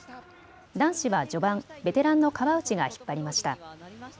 男子は序盤、ベテランの川内が引っ張りました。